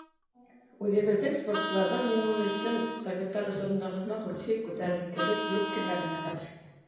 Үҙебеҙҙең спортсыларҙың еңеүе өсөн советтар осорондағы һымаҡ рухи күтәренкелек юҡ кимәлендә хәҙер.